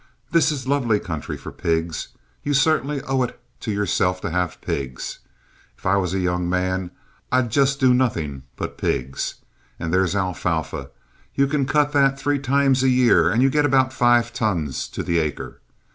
This is lovely country for pigs. You certainly owe it to yourself to have pigs. If I was a young man I'd just do nothing but pigs. And there's alfalfa. You can cut that three times a year, and you get about five tons to the acre.